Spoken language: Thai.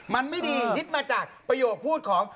มันไม่ดียึดมาจากประโยคพูดของ